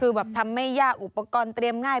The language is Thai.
คือแบบทำไม่ยากอุปกรณ์เตรียมง่าย